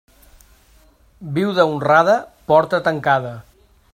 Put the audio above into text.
Viuda honrada, porta tancada.